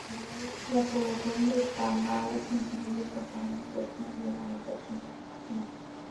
La población de Ca Mau incluye personas de etnia vietnamita, china y khmer.